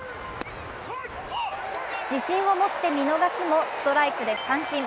自信を持って見逃すも、ストライクで三振。